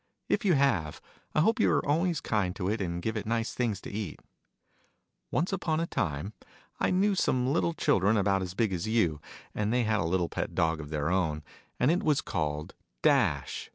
If you have, I hope you're always kind to it, and give it nice things to eat. Once upon a time, I knew some little children, about as big as you ; and they had a little pet dog of their own ; and it was called Dash.